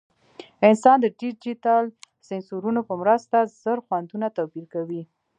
انسان د ډیجیټل سینسرونو په مرسته زر خوندونه توپیر کوي.